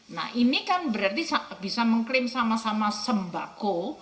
nah ini kan berarti bisa mengklaim sama sama sembako